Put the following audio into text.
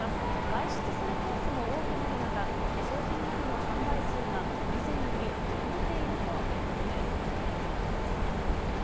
外出するケースも多くなる中、化粧品などの販売数が、以前より伸びているということです。